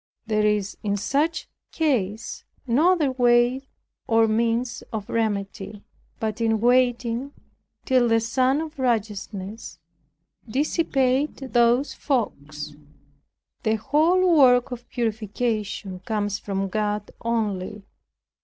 There is in such case no other way or means of remedy, but in waiting till the Sun of Righteousness dissipate those fogs. The whole work of purification comes from God only.